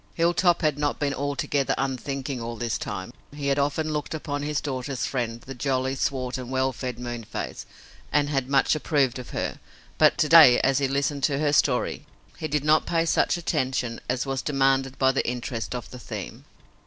Hilltop had not been altogether unthinking all this time. He had often looked upon his daughter's friend, the jolly, swart and well fed Moonface, and had much approved of her, but, today, as he listened to her story, he did not pay such attention as was demanded by the interest of the theme.